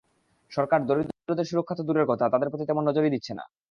সরকার দরিদ্রদের সুরক্ষা তো দূরের কথা, তাদের প্রতি তেমন নজরই দিচ্ছে না।